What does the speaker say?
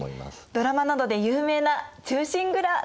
ドラマなどで有名な「忠臣蔵」ですね！